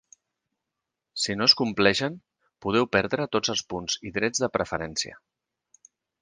Si no es compleixen, podeu perdre tots els punts i drets de preferència.